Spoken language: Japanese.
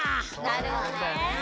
なるほどね。